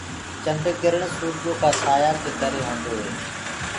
چنڊگِرڻ سوُرجو ڪآ سآيآ ڪي ڪري هوندو هي۔